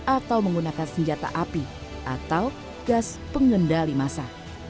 atau menggunakan senjata api atau gas pengendali masa